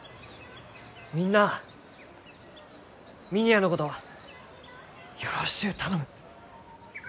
みんなあ峰屋のことよろしゅう頼む。